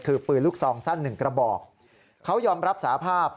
คือปืนลูกซองสั้นหนึ่งกระบอกเขายอมรับสาภาพ